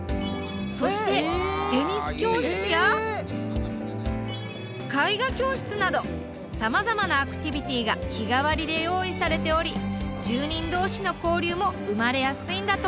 そしてテニス教室や絵画教室などさまざまなアクティビティーが日替わりで用意されており住人同士の交流も生まれやすいんだとか。